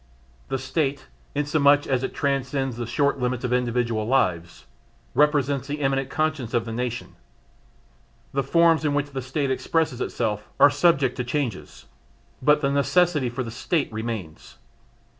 The State, inasmuch as it transcends the short limits of individual lives, represents the immanent conscience of the nation. The forms in which the State expresses itself are subject to changes, but the necessity for the State remains.